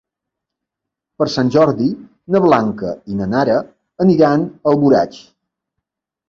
Per Sant Jordi na Blanca i na Nara aniran a Alboraig.